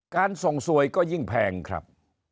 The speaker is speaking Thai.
การส่งสวยก็ยิ่งแพงครับ